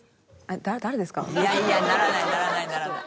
いやいやならないならないならない。